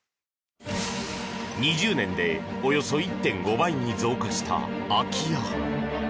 ２０年でおよそ１．５倍に増加した空き家。